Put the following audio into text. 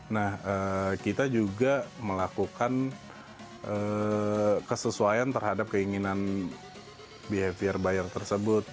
nah kita juga melakukan kesesuaian terhadap keinginan behavior buyer tersebut